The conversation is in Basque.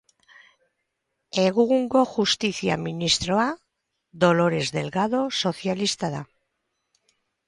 Egungo Justizia Ministroa Dolores Delgado sozialista da.